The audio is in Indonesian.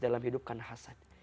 dalam hidup karena hasad